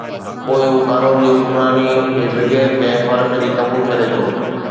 پوءِ هو قانون جي حڪمراني کي بغير ڪنهن فرق جي قبول ڪري ٿو.